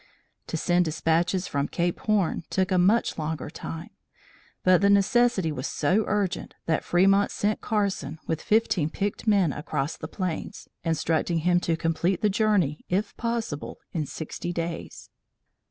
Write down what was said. To send despatches around Cape Horn took a much longer time; but the necessity was so urgent that Fremont sent Carson with fifteen picked men across the plains, instructing him to complete the journey if possible in sixty days.